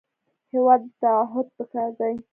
هېواد ته تعهد پکار دی